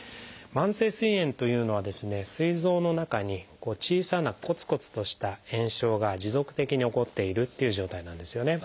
慢性すい炎というのはすい臓の中に小さなコツコツとした炎症が持続的に起こっているという状態なんですよね。